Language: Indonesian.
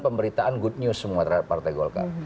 pemberitaan good news semua terhadap partai golkar